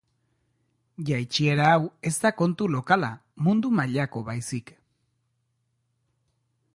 Jaitsiera hau ez da kontu lokala mundu mailako baizik.